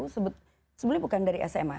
sebetulnya bukan dari sma